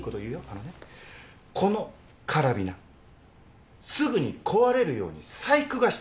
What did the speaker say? あのねこのカラビナすぐに壊れるように細工がしてあったんです。